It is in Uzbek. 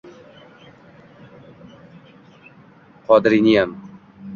Qodiriyniyam